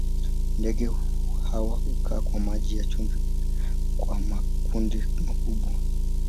Ndege hawa hukaa kwa maji ya chumvi kwa makundi makubwa.